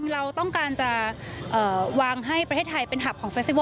เราต้องการจะวางให้ประเทศไทยเป็นฮัพกร์ของเฟ๑๙๑๗